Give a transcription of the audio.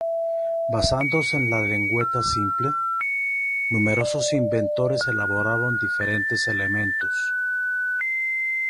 Basándose en la lengüeta simple, numerosos inventores elaboraron diferentes elementos.